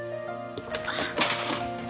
あっ！